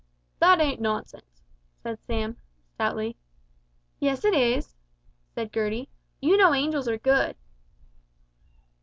"That ain't nonsense," said Sam, stoutly. "Yes, it is," said Gertie; "you know angels are good."